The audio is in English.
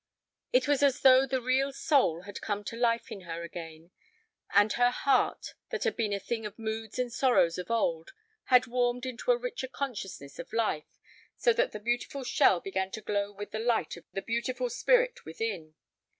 It was as though the real soul had come to life in her again, and her heart, that had been a thing of moods and sorrows of old, had warmed into a richer consciousness of life, so that the beautiful shell began to glow with the light of the beautiful spirit within.